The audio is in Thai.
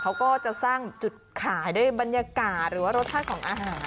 เขาก็จะสร้างจุดขายด้วยบรรยากาศหรือว่ารสชาติของอาหาร